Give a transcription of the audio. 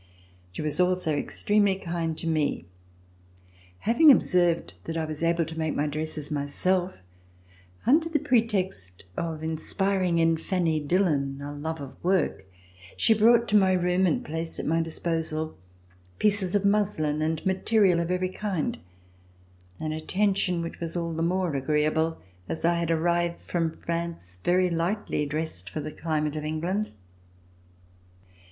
She was also extremely kind to me. Having observed that I was able to make my dresses myself, under the pretext of inspiring in Fanny Dillon a love of work, she brought to my room and placed at my disposal pieces of muslin and material of every kind, an attention which was all the more agreeable as I had arrived from France very lightly dressed for the climate of England.